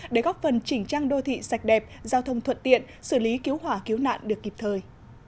để góp phần chỉnh trang đô thị sạch đẹp giao thông thuận tiện xử lý cứu hỏa cứu nạn được kịp thời